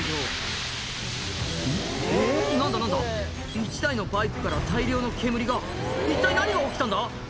１台のバイクから大量の煙が一体何が起きたんだ？